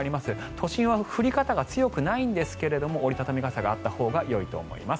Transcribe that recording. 都心は降り方が強くないんですが折り畳み傘があったほうがよいと思います。